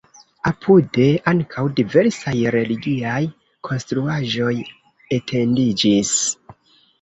Apude ankaŭ diversaj religiaj konstruaĵoj etendiĝis.